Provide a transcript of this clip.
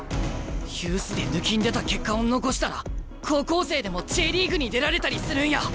ユースでぬきんでた結果を残したら高校生でもＪリーグに出られたりするんや！